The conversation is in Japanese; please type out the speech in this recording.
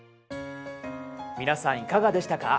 皆さんいかがでしたか？